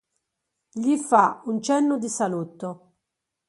Gli fa un cenno di saluto.